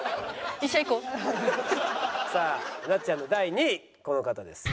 さあなっちゃんの第２位この方です。